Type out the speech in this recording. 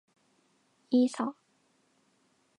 いいさ。